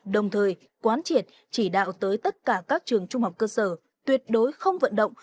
đồng thời quán triệt chỉ đạo tới tất cả các trường trung học cơ sở tuyệt đối không vận động